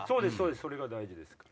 それが大事ですから。